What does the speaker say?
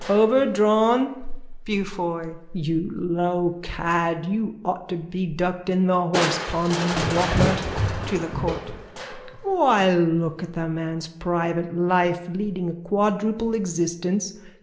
_ Overdrawn. BEAUFOY: You low cad! You ought to be ducked in the horsepond, you rotter! (To the court.) Why, look at the man's private life! Leading a quadruple existence!